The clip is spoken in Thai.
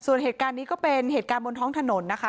ส่วนเหตุการณ์นี้ก็เป็นเหตุการณ์บนท้องถนนนะคะ